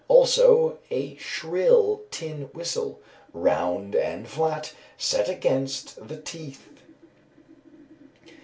Also a shrill tin whistle, round and flat, set against the teeth.